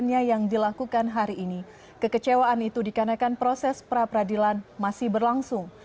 kepada kliennya yang dilakukan hari ini kekecewaan itu dikarenakan proses pera peradilan masih berlangsung